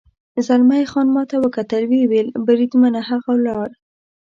زلمی خان ما ته وکتل، ویې ویل: بریدمنه، هغه ولاړ.